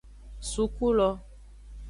Suku lo.